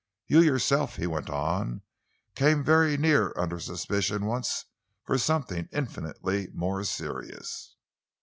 "You yourself," he went on, "came very nearly under suspicion once for something infinitely more serious."